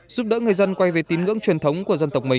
giúp đỡ người dân quay về tín ngưỡng truyền thống